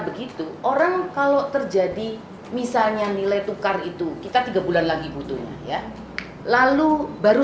begitu orang kalau terjadi misalnya nilai tukar itu kita tiga bulan lagi butuhnya ya lalu baru